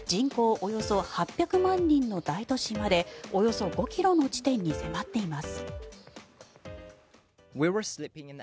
およそ８００万人の大都市までおよそ５ｋｍの地点に迫っています。